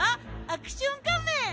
アクション仮面！